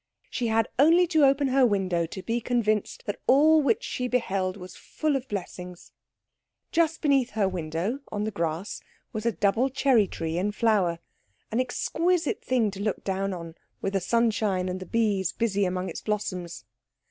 She had only to open her window to be convinced that all which she beheld was full of blessings. Just beneath her window on the grass was a double cherry tree in flower, an exquisite thing to look down on with the sunshine and the bees busy among its blossoms.